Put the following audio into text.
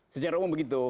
secara umum begitu